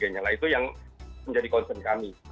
nah itu yang menjadi concern kami